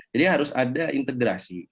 jadi harus ada integrasi